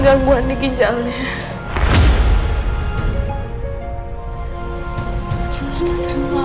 gangguan di ginjalnya